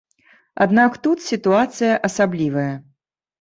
Аднак тут сітуацыя асаблівая.